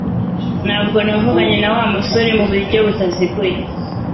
Ntabwo navuganye na Wa musore mu buryo butaziguye